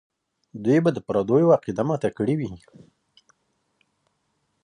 دوی به د پردیو عقیده ماته کړې وي.